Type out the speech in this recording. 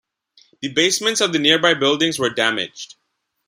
The basements of nearby buildings were damaged.